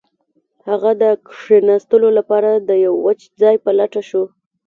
هغه د کښیناستلو لپاره د یو وچ ځای په لټه شو